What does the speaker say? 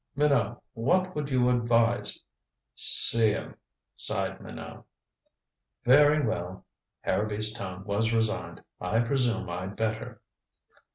"Minot what would you advise?" "See him," sighed Minot. "Very well." Harrowby's tone was resigned. "I presume I'd better."